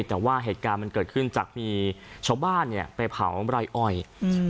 แต่ว่าเหตุการณ์มันเกิดขึ้นจากมีชาวบ้านเนี่ยไปเผาไร่อ้อยอืม